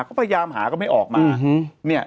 ก็พยายามหาก็ไม่ออกมา